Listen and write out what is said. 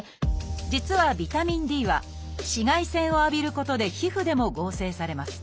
実はビタミンＤは紫外線を浴びることで皮膚でも合成されます。